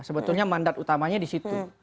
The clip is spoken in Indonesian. sebetulnya mandat utamanya di situ